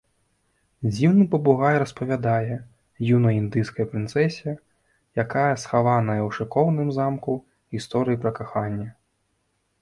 Дзіўны папугай распавядае юнай індыйскай прынцэсе, якая схаваная у шыкоўным замку, гісторыі пра каханне.